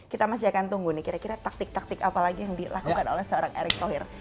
kita masih akan tunggu nih kira kira taktik taktik apa lagi yang dilakukan oleh seorang erick thohir